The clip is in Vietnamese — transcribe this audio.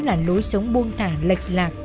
là lối sống buôn thả lệch lạc